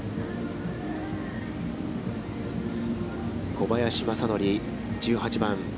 小林正則、１８番。